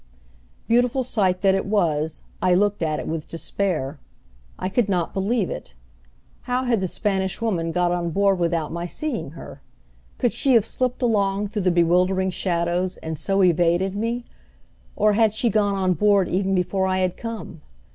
Beautiful sight that it was I looked at it with despair. I could not believe it. How had the Spanish Woman got on board without my seeing her? Could she have slipped along through the bewildering shadows and so evaded me; or had she gone on board even before I had come?